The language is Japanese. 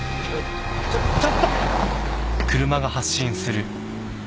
ちょっちょっと！